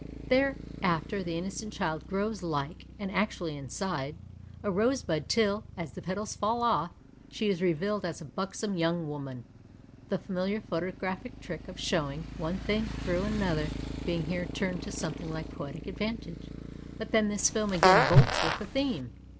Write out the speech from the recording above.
Thereafter the innocent child grows like (and actually inside) a rosebud till, as the petals fall off, she is revealed as a buxom young woman — the familiar photographic trick of showing one thing through another being here turned to something like poetic advantage. But then the film again bolts with the theme.